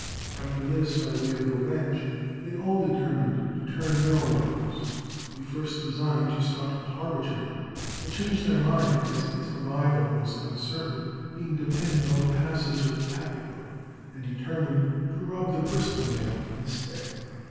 After this, by way of revenge, they all determined to turn mail robbers. They first designed to stop the Harwich mail, but changed their mind as its arrival was uncertain, being dependent on the passage of the packet boat, and determined to rob the Bristol mail instead.